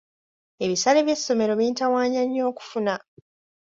Ebisale by'essomero bintawaanya nnyo okufuna.